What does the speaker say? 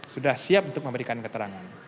sudah siap untuk memberikan keterangan